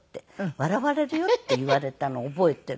「笑われるよ」って言われたのを覚えている。